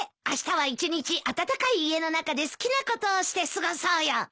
あしたは一日暖かい家の中で好きなことをして過ごそうよ。